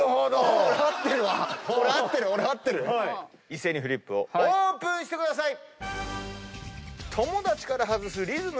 一斉にフリップをオープンしてください！